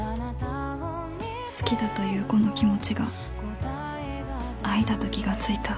好きだというこの気持ちが愛だと気がついた